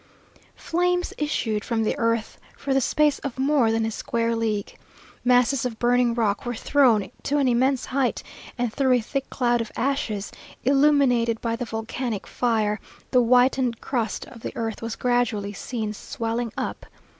Flames issued from the earth for the space of more than a square league. Masses of burning rock were thrown to an immense height, and through a thick cloud of ashes, illuminated by the volcanic fire, the whitened crust of the earth was gradually seen swelling up.